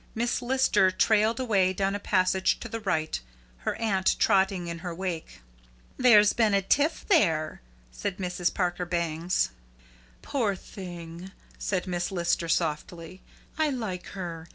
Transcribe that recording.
Miss Lister trailed away down a passage to the right, her aunt trotting in her wake. "There's been a tiff there," said Mrs. Parker Bangs. "Poor thing!" said Miss Lister softly. "I like her.